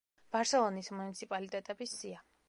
ბარსელონის მუნიციპალიტეტების სია.